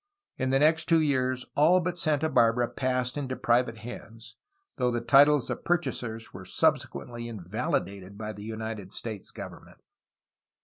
In the next two years all but Santa Barbara passed into private hands, though the titles of purchasers were subsequently invali dated by the United States government.